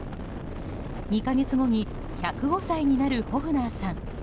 ２か月後に１０５歳になるホフナーさん。